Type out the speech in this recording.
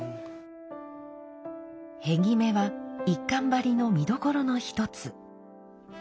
片木目は一閑張の見どころの一つ。